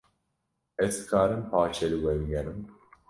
Ez dikarim paşê li we bigerim?